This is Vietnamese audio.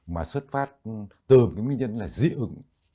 mà xuất phát từ cái nguyên nhân là dị ứng